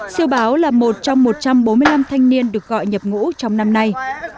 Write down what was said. siêu báo là một trong một trăm bốn mươi năm thanh niên được gọi nhập ngũ trong năm nay